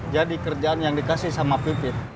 jadi kerjaan yang dikasih sama pipit